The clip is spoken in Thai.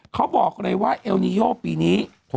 เขาบอกเลยว่าเอลนิโยปีนี้